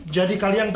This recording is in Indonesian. jadi kalian berdua